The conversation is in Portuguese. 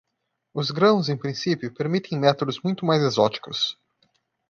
Os grãos, em princípio, permitem métodos muito mais exóticos.